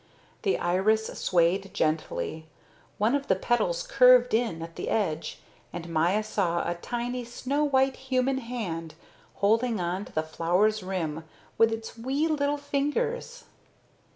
The iris swayed gently. One of the petals curved in at the edge, and Maya saw a tiny snow white human hand holding on to the flower's rim with its wee little fingers.